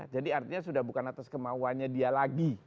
jadi artinya sudah bukan atas kemauannya dia lagi